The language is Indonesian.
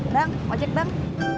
dang ojek dang